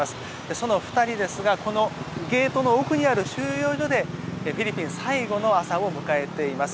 その２人ですがこのゲートの奥にある収容所でフィリピン最後の朝を迎えています。